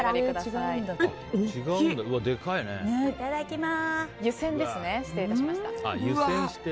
いただきます。